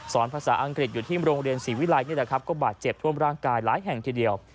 ภาษาอังกฤษอยู่ที่โรงเรียนศรีวิลัยนี่แหละครับก็บาดเจ็บท่วมร่างกายหลายแห่งทีเดียว